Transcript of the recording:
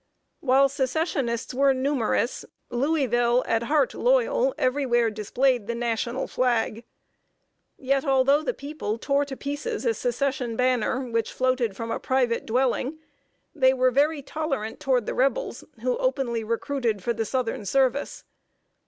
While Secessionists were numerous, Louisville, at heart loyal, everywhere displayed the national flag. Yet, although the people tore to pieces a Secession banner, which floated from a private dwelling, they were very tolerant toward the Rebels, who openly recruited for the Southern service.